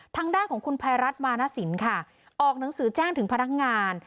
ทางด้านของคุณภัยรัฐมานสินค่ะออกหนังสือแจ้งถึงพนักงาน